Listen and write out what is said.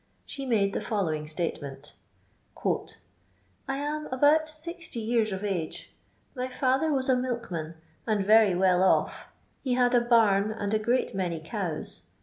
She made the following statement :—" I am about 60 years of age. Aly father was a milkman, and very well off; he had a barn and a great many cows.